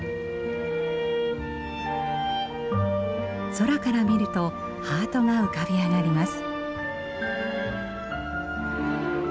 空から見るとハートが浮かび上がります。